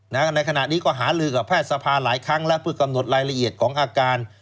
ในขณะนี้ก็หาลือกับแพทย์สภาหลายครั้งแล้วเพื่อกำหนดรายละเอียดของอาการ